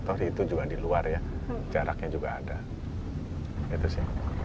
toh itu juga di luar ya jaraknya juga ada gitu sih